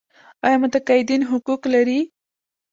آیا متقاعدین حقوق لري؟